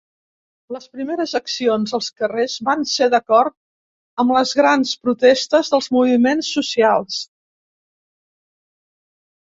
Les primeres accions als carrers van ser d'acord amb les grans protestes dels moviments socials.